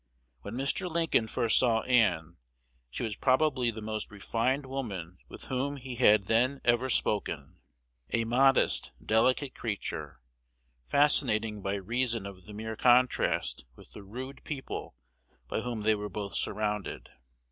When Mr. Lincoln first saw Ann, she was probably the most refined woman with whom he had then ever spoken, a modest, delicate creature, fascinating by reason of the mere contrast with the rude people by whom they were both surrounded.